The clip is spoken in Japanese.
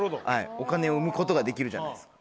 お金を生むことができるじゃないですか。